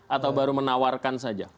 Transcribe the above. atau baru menawarkan saja